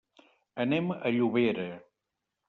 Anem a Llobera.